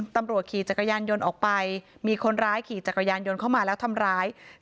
ขี่จักรยานยนต์ออกไปมีคนร้ายขี่จักรยานยนต์เข้ามาแล้วทำร้าย